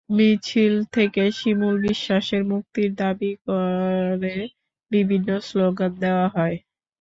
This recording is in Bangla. মিছিল থেকে শিমুল বিশ্বাসের মুক্তির দাবি করে বিভিন্ন স্লোগান দেওয়া হয়।